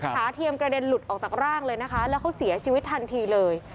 เทียมกระเด็นหลุดออกจากร่างเลยนะคะแล้วเขาเสียชีวิตทันทีเลย